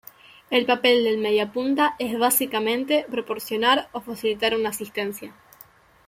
El papel del mediapunta es básicamente, proporcionar o facilitar una asistencia.